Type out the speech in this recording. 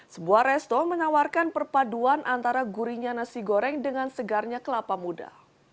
sebuah resto menawarkan perpaduan antara gurinya nasi goreng dengan segarnya kelapa muda